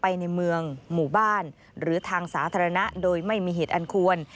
ในเมืองหมู่บ้านหรือทางสาธารณะโดยไม่มีเหตุอันควร